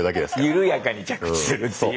緩やかに着地するっていう。